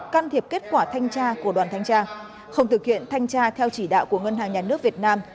can thiệp kết quả thanh tra của đoàn thanh tra không thực hiện thanh tra theo chỉ đạo của ngân hàng nhà nước việt nam